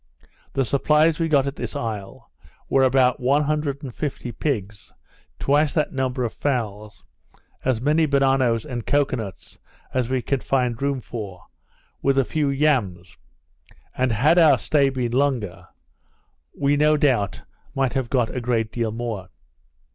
The supplies we got at this isle, were about one hundred and fifty pigs, twice that number of fowls, as many bananoes and cocoa nuts as we could find room for, with a few yams; and had our stay been longer, we no doubt might have got a great deal more.